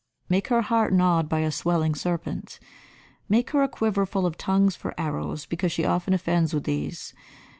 Make her heart gnawed by a swelling serpent. Make her a quiver full of tongues for arrows, because she often offends with these.